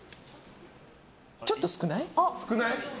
ちょっと少ない？